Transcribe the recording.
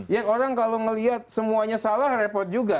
yang orang kalau melihat semuanya salah repot juga